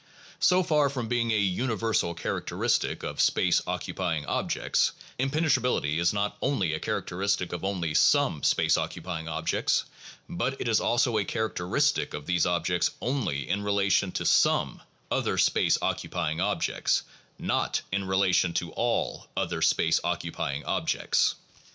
So far from being a universal characteristic of space occupying objects, impenetrability is not only a char acteristic of only some space occupying objects, but it is also a characteristic of these objects only in relation to some other space occupying objects, not in relation to all other space occupying objects.